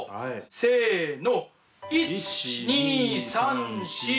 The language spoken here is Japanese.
せの。